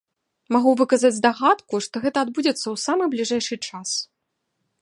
Магу выказаць здагадку, што гэта адбудзецца ў самы бліжэйшы час.